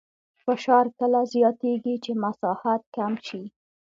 فشار کله زیاتېږي چې مساحت کم شي.